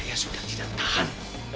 saya sudah tidak tahan